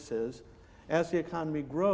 ketika ekonomi tumbuh